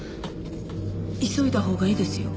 急いだほうがいいですよ。